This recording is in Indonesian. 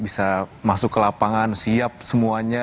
bisa masuk ke lapangan siap semuanya